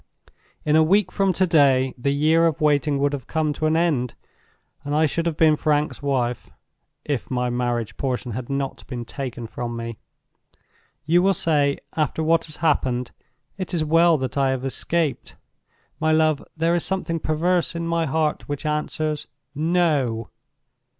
In a week from to day the year of waiting would have come to an end, and I should have been Frank's wife, if my marriage portion had not been taken from me. "You will say, after what has happened, it is well that I have escaped. My love! there is something perverse in my heart which answers, No!